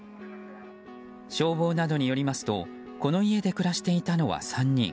消防などによりますとこの家で暮らしていたのは３人。